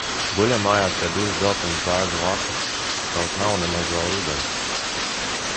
Guļam mājās kā divas dzeltenas bērza lapas, kaut nav nemaz vēl rudens.